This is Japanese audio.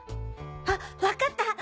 あっ分かった！